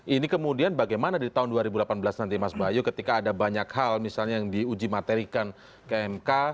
ini kemudian bagaimana di tahun dua ribu delapan belas nanti mas bayu ketika ada banyak hal misalnya yang diuji materikan ke mk